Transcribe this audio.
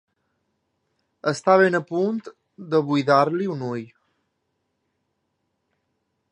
Està ben a punt de buidar-li un ull.